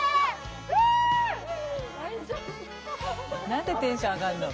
何でテンション上がんの。